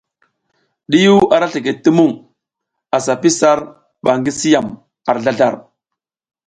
Ɗiyiw ara slikid ti muŋ, asa pi sar ba gi si yam ar zlazlar.